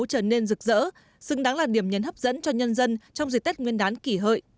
trở nên rực rỡ xứng đáng là điểm nhấn hấp dẫn cho nhân dân trong dịp tết nguyên đán kỷ hợi